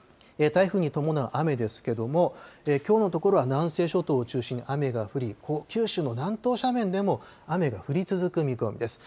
台風に伴う雨ですけれども、きょうのところは南西諸島を中心に雨が降り、九州の南東斜面でも雨が降り続く見込みです。